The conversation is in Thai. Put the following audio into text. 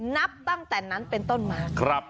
นับตั้งแต่นั้นเป็นต้นมา